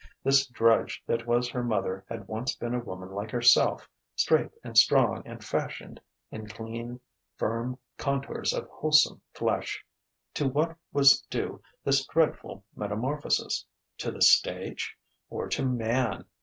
This drudge that was her mother had once been a woman like herself, straight and strong and fashioned in clean, firm contours of wholesome flesh. To what was due this dreadful metamorphosis? To the stage? Or to Man?